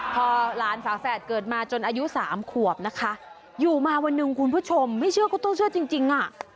พอหลานฝาแฝดเกิดมาจนอายุสามขวบนะคะอยู่มาวันหนึ่งคุณผู้ชมไม่เชื่อก็ต้องเชื่อจริงจริงอ่ะ